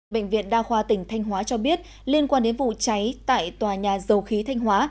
bệnh viện đa khoa tỉnh thanh hóa cho biết liên quan đến vụ cháy tại tòa nhà dầu khí thanh hóa